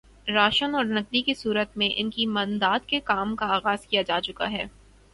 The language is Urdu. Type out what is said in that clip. راشن اور نقدی کی صورت میں ان کی امداد کے کام کا آغاز کیا جا چکا ہے